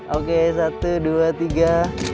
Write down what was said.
oke satu dua tiga